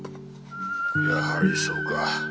やはりそうか。